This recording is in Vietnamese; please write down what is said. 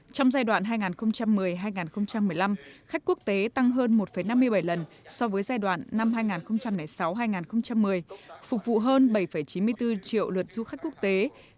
trong giai đoạn hai nghìn một mươi hai nghìn một mươi năm khách quốc tế tăng hơn một năm mươi bảy lần so với giai đoạn năm hai nghìn sáu hai nghìn một mươi phục vụ hơn bảy chín mươi bốn triệu lượt du khách quốc tế